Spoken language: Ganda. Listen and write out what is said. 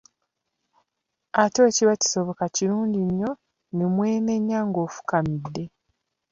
Ate bwe kiba kisoboka, kirungi nnyo ne weemenya ng'ofukamidde.